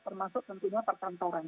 termasuk tentunya pertantoran